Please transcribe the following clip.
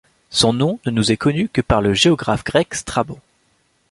Son nom ne nous est connu que par le géographe grec Strabon.